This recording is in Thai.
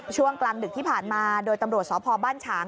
ช่วงกลางดึกที่ผ่านมาโดยตำรวจสพบ้านฉาง